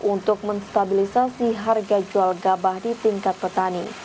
untuk menstabilisasi harga jual gabah di tingkat petani